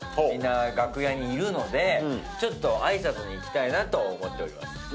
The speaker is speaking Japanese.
みんな楽屋にいるのでちょっと挨拶に行きたいなと思ってます。